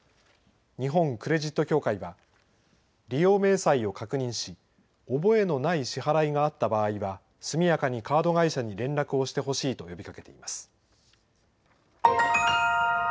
日本クレジット協会は利用明細を確認し覚えのない支払いがあった場合は速やかにカード会社に連絡をしてほしいと呼びかけています。